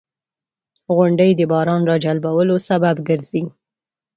• غونډۍ د باران راجلبولو سبب ګرځي.